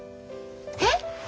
えっ！？